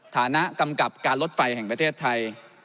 ฐานะกำกับการรถไฟแห่งประเทศไทย